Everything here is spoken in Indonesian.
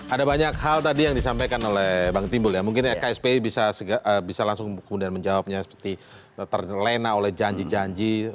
ada banyak hal tadi yang disampaikan oleh bang timbul ya mungkin ya kspi bisa langsung kemudian menjawabnya seperti terlena oleh janji janji